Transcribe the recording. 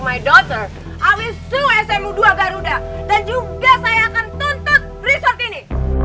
saya akan mencari smu dua garuda dan juga saya akan tuntut resort ini